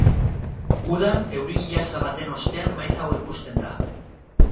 Udan euri-jasa baten ostean maizago ikusten da.